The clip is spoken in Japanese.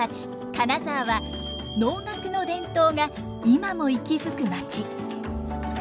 金沢は能楽の伝統が今も息づく町。